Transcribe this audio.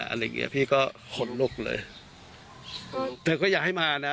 อะไรอย่างเงี้ยพี่ก็ขนลุกเลยเธอก็อยากให้มานะ